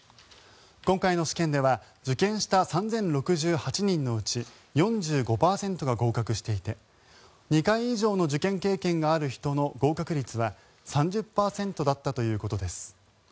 今回の試験では受験した３０６８人のうち４５％が合格していて２回以上の受験経験がある人の合格率は３０％だったということです。